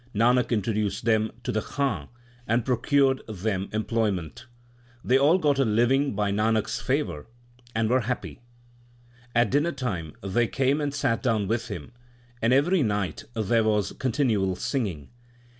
Nanak introduced them to the Khan and procured them employment. They all got a living by Nanak s favour, and were happy. At dinner time they came and sat down with him, and every night there was continual singing.